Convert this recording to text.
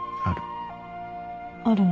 ある。